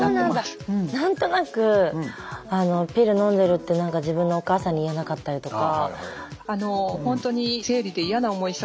何となくピルのんでるって何か自分のお母さんに言えなかったりとか。